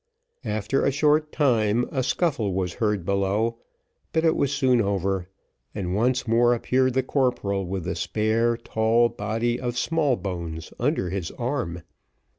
After a short time, a scuffle was heard below, but it was soon over, and once more appeared the corporal with the spare, tall body of Smallbones under his arm.